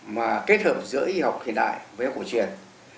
mà kết hợp giữa y học hiện đại với học cổ truyền